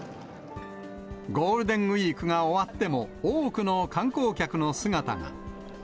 ゴールデンウィークが終わっても、多くの観光客の姿が。